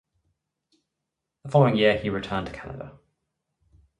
The following year he returned to Canada.